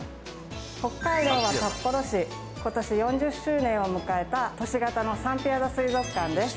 北海道札幌市今年４０周年を迎えた都市型のサンピアザ水族館です